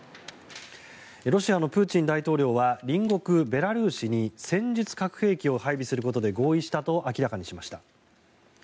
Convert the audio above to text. ロシアのプーチン大統領は隣国ベラルーシに戦術核兵器を配備することで合意したと明らかにしました。